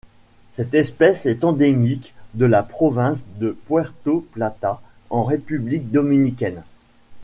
Cette espèce est endémique de la province de Puerto Plata en République dominicaine.